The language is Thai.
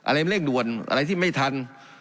เร่งด่วนอะไรที่ไม่ทัน